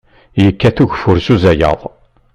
Yekkat ugeffur s uzayaḍ.